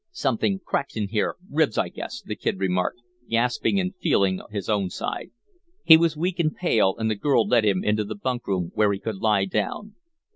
"Something cracked in here ribs, I guess," the Kid remarked, gasping and feeling his own side. He was weak and pale, and the girl led him into the bunk room, where he could lie down.